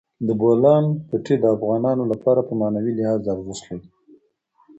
د بولان پټي د افغانانو لپاره په معنوي لحاظ ارزښت لري.